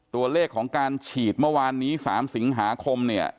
ตัวเลขของการฉีดเมื่อวานนี้๓สิงหาคมเนี่ย